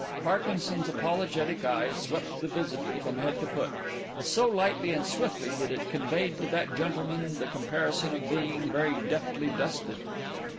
Parkinson's apologetic eye swept the visitor from head to foot, but so lightly and swiftly that it conveyed to that gentleman the comparison of being very deftly dusted.